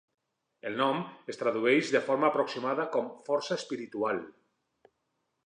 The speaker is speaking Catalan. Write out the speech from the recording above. El nom es tradueix de forma aproximada com "força espiritual".